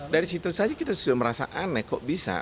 dari situ saja kita sudah merasa aneh kok bisa